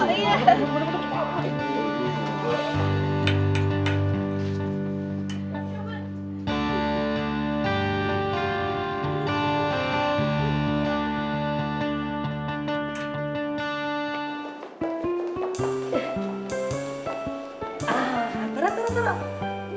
ah berat berat berat